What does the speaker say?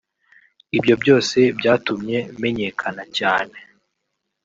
ibyo byose byatumye menyekana cyane